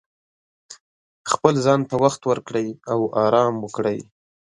خپل ځان ته وخت ورکړئ او ارام وکړئ.